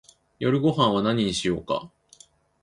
夜ごはんは何にしようか